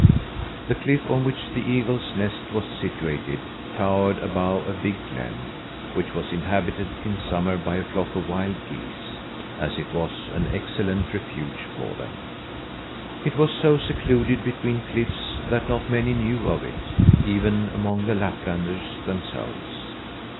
The cliff on which the eagle's nest was situated towered above a big glen, which was inhabited in summer by a flock of wild geese, as it was an excellent refuge for them. It was so secluded between cliffs that not many knew of it, even among the Laplanders themselves.